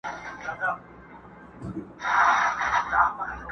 د چڼچڼيو او د زرکو پرځای٫